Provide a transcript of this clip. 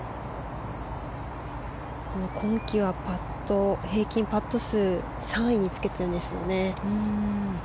今季は平均パット数３位につけてたんですよね。